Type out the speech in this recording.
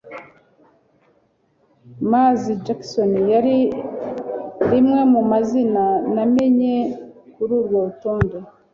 manzi jackson yari rimwe mu mazina namenye kuri urwo rutonde